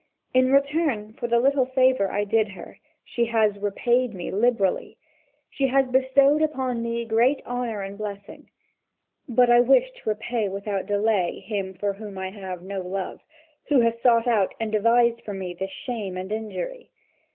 In return for the little favour I did her, she has repaid me liberally: she has bestowed upon me great honour and blessing. But I wish to repay without delay him for whom I have no love, who has sought out and devised for me this shame and injury.